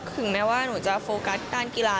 ถึงแม้ว่าหนูจะโฟกัสการกีฬา